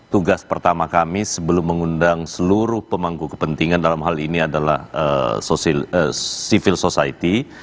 tugas pertama kami sebelum mengundang seluruh pemangku kepentingan dalam hal ini adalah civil society